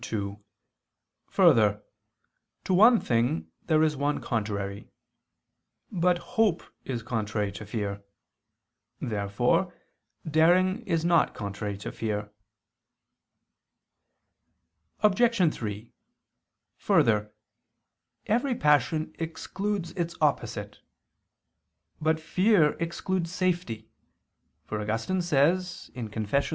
2: Further, to one thing there is one contrary. But hope is contrary to fear. Therefore daring is not contrary to fear. Obj. 3: Further, every passion excludes its opposite. But fear excludes safety; for Augustine says (Confess.